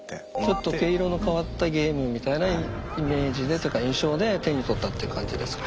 ちょっと毛色の変わったゲームみたいなイメージでというか印象で手に取ったって感じですか？